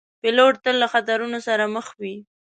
پیلوټ تل له خطرونو سره مخ وي.